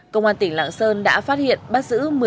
công an tỉnh lạng sơn đã phát hiện bác sứ một mươi